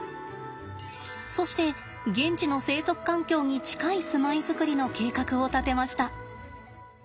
そして現地の生息環境に近い住まい作りの計画を立てました。